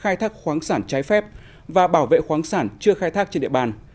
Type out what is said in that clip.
khai thác khoáng sản trái phép và bảo vệ khoáng sản chưa khai thác trên địa bàn